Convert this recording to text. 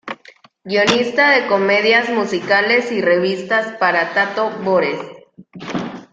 Guionista de comedias musicales y revistas para Tato Bores.